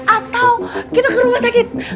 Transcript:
atau kita ke rumah sakit